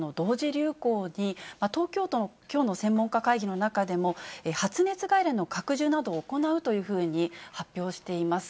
流行に、東京都のきょうの専門家会議の中でも、発熱外来の拡充などを行うというふうに発表しています。